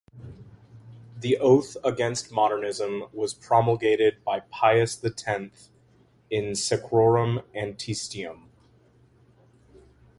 The oath against modernism was promulgated by Pius the Tenth in "Sacrorum antistitum".